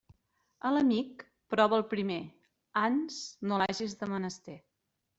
A l'amic prova'l primer, ans no l'hagis de menester.